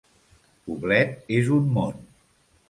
Poblet és un món.